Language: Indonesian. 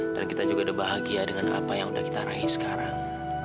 dan kita juga udah bahagia dengan apa yang udah kita rahi sekarang